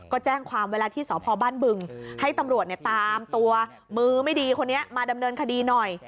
ก็แจ้งความไว้แล้วที่สพบ้านบึงให้ตำรวจตามตัวมือไม่ดีคนนี้มาดำเนินคดีหน่อย